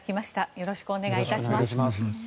よろしくお願いします。